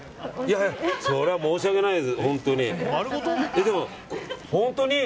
それは申し訳ないです。